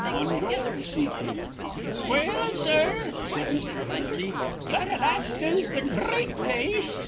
ON GOLD SEEKING. "Well, sir," said Mr. Hennessy, "that Alaska's th' gr reat place.